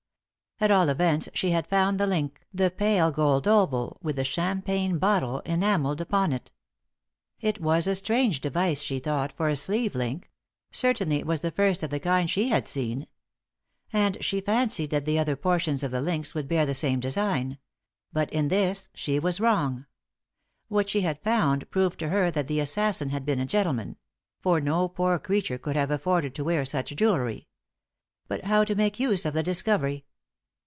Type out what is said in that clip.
At all events she had found the link the pale gold oval with the champagne bottle enamelled upon it. It was a strange device, she thought, for a sleeve link; certainly it was the first of the kind she had seen. And she fancied that the other portions of the links would bear the same design; but in this she was wrong. What she had found proved to her that the assassin had been a gentleman; for no poor creature could have afforded to wear such jewellery. But how to make use of the discovery?